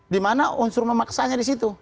dimana unsur memaksanya di situ